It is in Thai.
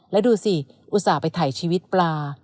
แล้วดูสิอุตส่าห์ไปถ่ายชีวิตปลา